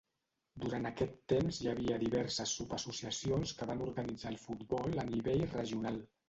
Durant aquest temps hi havia diverses subassociacions que van organitzar el futbol a nivell regional.